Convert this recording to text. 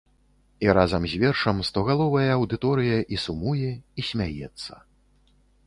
І разам з вершам стогаловая аўдыторыя і сумуе і смяецца.